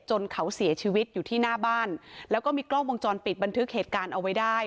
จนเขาเสียชีวิตอยู่ที่หน้าบ้านแล้วก็มีกล้องวงจรปิดบันทึกเหตุการณ์เอาไว้ได้